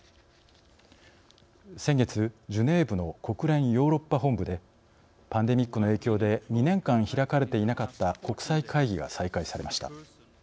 先月ジュネーブの国連ヨーロッパ本部でパンデミックの影響で２年間開かれていなかった国際会議が再開されました。